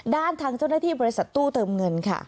ด้านทางเจ้าหน้าที่บริษัทตู้เติมเงินค่ะ